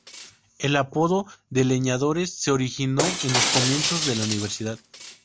El apodo de "leñadores" se originó en los comienzos de la universidad.